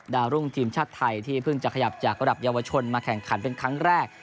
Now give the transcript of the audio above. รุ่งทีมชาติไทยที่เพิ่งจะขยับจากระดับเยาวชนมาแข่งขันเป็นครั้งแรก